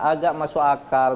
agak masuk akal